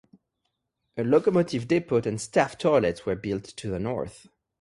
A locomotive depot and staff toilets were built to the north.